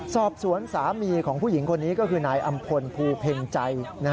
สอบสวนสามีของผู้หญิงคนนี้ก็คือนายอำพลภูเพ็งใจ